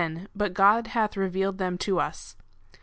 But God hath revealed them to us.